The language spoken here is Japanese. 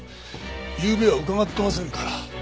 ゆうべは伺ってませんから。